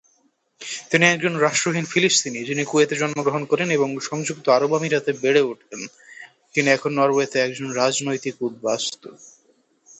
তিনি একজন রাষ্ট্রহীন ফিলিস্তিনি যিনি কুয়েতে জন্মগ্রহণ করেন এবং সংযুক্ত আরব আমিরাতে বেড়ে ওঠেন, তিনি এখন নরওয়েতে একজন রাজনৈতিক উদ্বাস্তু।